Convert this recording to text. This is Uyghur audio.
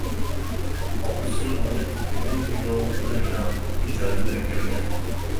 ئاپىسى ئۇنى ئىككى مىڭ كىلومېتىر يىراقلىقتىكى جايدىن ئەكەلگەن.